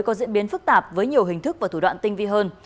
có diễn biến phức tạp với nhiều hình thức và thủ đoạn tinh vi hơn